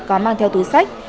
họ mang theo túi sách